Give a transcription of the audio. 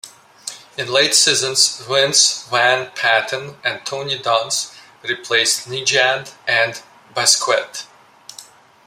In later seasons, Vince Van Patten and Tony Dunst replaced Nejad and Busquet.